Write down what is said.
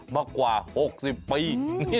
มากว่า๖๐ปี